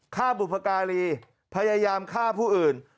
ฆ่าบุพการีพยายามฆ่าผู้อื่น